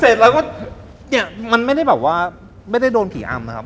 เสร็จแล้วตัวมันไม่ได้โดนพรีอำนะครับ